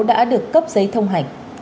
đã được cấp giấy thông hành